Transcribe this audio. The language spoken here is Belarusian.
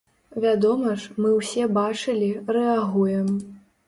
Вядома ж, мы ўсе бачылі, рэагуем.